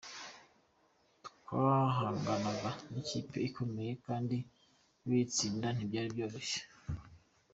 Twahanganaga n’ikipe ikomeye kandi kuyitsinda ntibyari byoroshye.